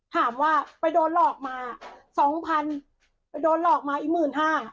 ถามว่าไปโดนหลอกมาสองพันไปโดนหลอกมาอีกหมื่นห้า